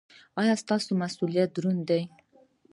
ایا ستاسو مسؤلیت دروند دی؟